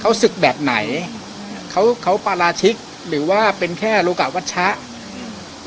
เขาศึกแบบไหนเขาเขาปราชิกหรือว่าเป็นแค่โลกะวัชชะ